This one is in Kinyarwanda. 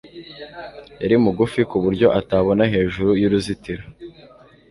yari mugufi ku buryo atabona hejuru y'uruzitiro